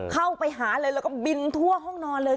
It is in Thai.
เข้าไปหาเลยแล้วก็บินทั่วห้องนอนเลย